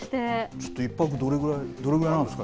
ちょっと１泊どれぐらいなんですか？